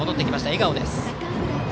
笑顔です。